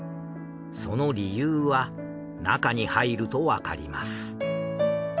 その理由は中に入るとわかります。